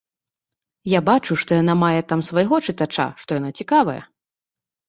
Я бачу, што яна мае там свайго чытача, што яна цікавая.